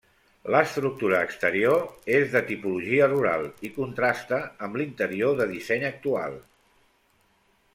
L'estructura exterior és de tipologia rural i contrasta amb l'interior de disseny actual.